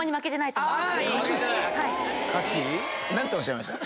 何ておっしゃいました？